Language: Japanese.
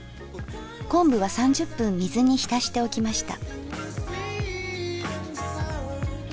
昆布は３０分水に浸しておきました。